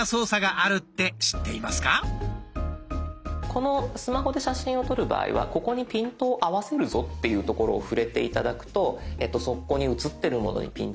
このスマホで写真を撮る場合はここにピントを合わせるぞっていうところを触れて頂くとそこに写ってるものにピントが合います。